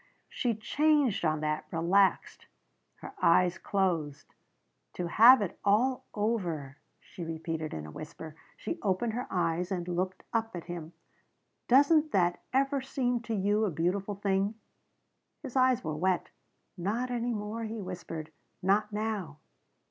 She changed on that, relaxed. Her eyes closed. "To have it all over," she repeated in a whisper. She opened her eyes and looked up at him. "Doesn't that ever seem to you a beautiful thing?" His eyes were wet. "Not any more," he whispered. "Not now."